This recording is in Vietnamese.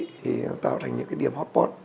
thì tạo thành những cái điện áp